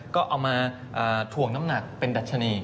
ก็เอามาถ่วงน้ำหนักเป็นดัชนี